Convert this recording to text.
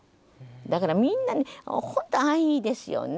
だからみんなね本当安易ですよね。